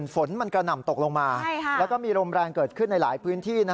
ฝนมันกระหน่ำตกลงมาแล้วก็มีลมแรงเกิดขึ้นในหลายพื้นที่